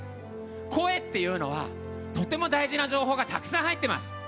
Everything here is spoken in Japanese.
声というのはとても大事な情報がたくさん入っています。